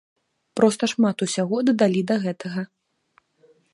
Проста шмат усяго дадалі да гэтага.